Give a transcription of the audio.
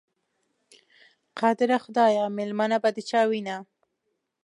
قادره خدایه، مېلمنه به د چا وینه؟